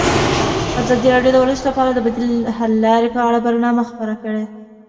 ازادي راډیو د ورزش لپاره د بدیل حل لارې په اړه برنامه خپاره کړې.